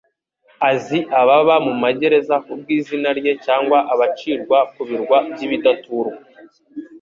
azi ababa mu magereza kubw'izina rye cyangwa abacirwa ku birwa by'ibidaturwa.